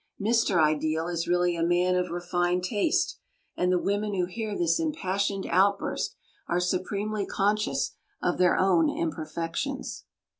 Mr. Ideal is really a man of refined taste, and the women who hear this impassioned outburst are supremely conscious of their own imperfections.